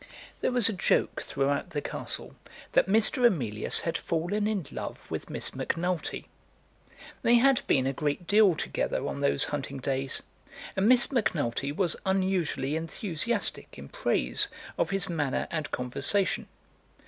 There was a joke throughout the castle that Mr. Emilius had fallen in love with Miss Macnulty. They had been a great deal together on those hunting days; and Miss Macnulty was unusually enthusiastic in praise of his manner and conversation.